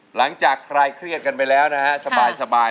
หลังจากใครเครียดกันไปแล้วนะฮะสบาย